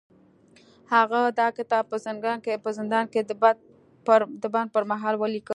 هغه دا کتاب په زندان کې د بند پر مهال ولیکه